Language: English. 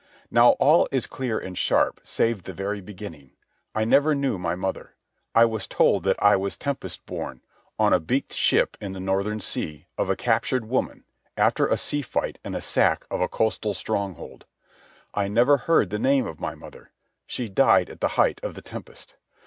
Now all is clear and sharp save the very beginning. I never knew my mother. I was told that I was tempest born, on a beaked ship in the Northern Sea, of a captured woman, after a sea fight and a sack of a coastal stronghold. I never heard the name of my mother. She died at the height of the tempest.